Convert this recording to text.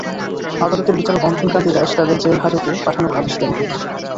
আদালতের বিচারক অঞ্জন কান্তি দাস তাঁদের জেল হাজতে পাঠানোর আদেশ দেন।